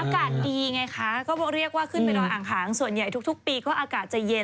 อากาศดีไงคะก็เรียกว่าขึ้นไปดอยอ่างหางส่วนใหญ่ทุกปีก็อากาศจะเย็น